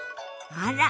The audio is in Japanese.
あら。